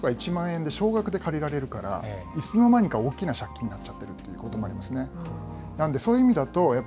しかも５０００円とか１万円で少額で借りられるから、いつの間にか大きな借金になっちゃってるということもありますね。